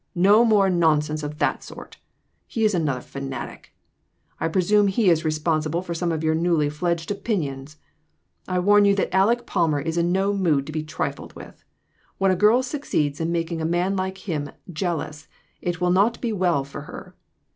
No more nonsense of that sort. He is another fanatic. I presume he is responsible for some of your newly fledged opinions. I warn you that Aleck Palmer is in no mood to be trifled with. When a girl succeeds in making a man like him, jealous, it will not be well for her.